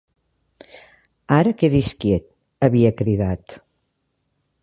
"Ara quedi's quiet", havia cridat.